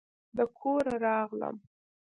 د کوره راغلم